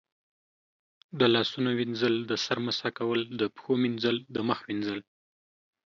د لاسونو وینځل، د سر مسح کول، د پښو مینځل، د مخ وینځل